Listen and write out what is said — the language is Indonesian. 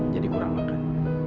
jadi kurang makan